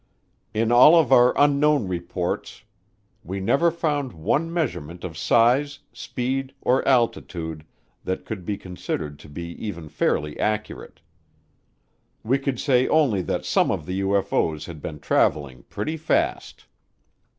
In all of our "Unknown" reports we never found one measurement of size, speed, or altitude that could be considered to be even fairly accurate. We could say only that some of the UFO's had been traveling pretty fast.